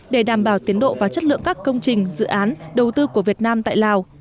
để đảm bảo tiến độ và chất lượng các công trình dự án đầu tư của việt nam tại lào